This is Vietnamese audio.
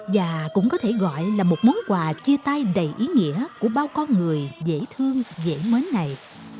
và cũng có thể gọi là một món quà chia tay đầy ý nghĩa của bao con người dễ thương dễ mến này